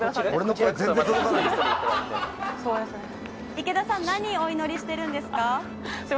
池田さん何をお祈りしてるんですか？